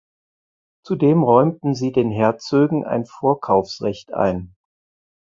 Zudem räumten sie den Herzögen ein Vorkaufsrecht ein.